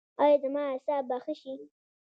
ایا زما اعصاب به ښه شي؟